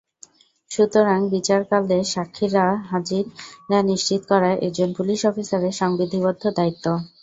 সুতরাং, বিচারকালে সাক্ষীর হাজিরা নিশ্চিত করা একজন পুলিশ অফিসারের সংবিধিবদ্ধ দায়িত্ব।